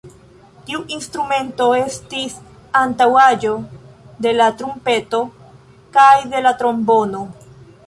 Tiu instrumento estis antaŭaĵo de la trumpeto kaj de la trombono.